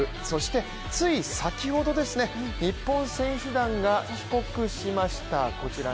そしてつい先ほど、日本選手団が帰国しました。